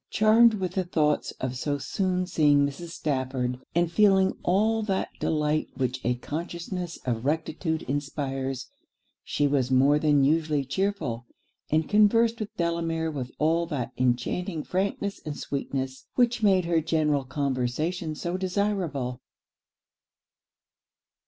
Charmed with the thoughts of so soon seeing Mrs. Stafford, and feeling all that delight which a consciousness of rectitude inspires, she was more than usually chearful, and conversed with Delamere with all that enchanting frankness and sweetness which made her general conversation so desireable.